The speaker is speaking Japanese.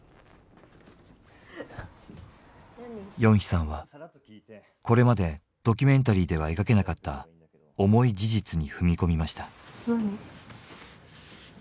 ヨンヒさんはこれまでドキュメンタリーでは描けなかった重い事実に踏み込みました。